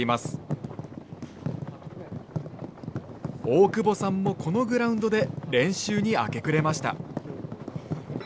大久保さんもこのグラウンドで練習に明け暮れました。